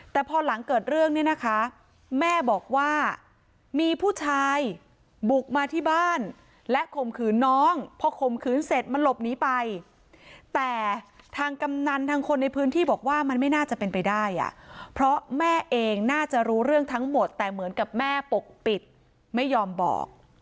แต่พอหลังเกิดเรื่องเนี่ยนะคะแม่บอกว่ามีผู้ชายบุกมาที่บ้านและข่มขืนน้องพอข่มขืนเสร็จมันหลบหนีไปแต่ทางกำนันทางคนในพื้นที่บอกว่ามันไม่น่าจะเป็นไปได้อ่ะเพราะแม่เองน่าจะรู้เรื่องทั้งหมดแต่เหมือนกับแม่ปกปิดไม่ยอมบอก